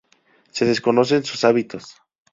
Se desconocen sus hábitos.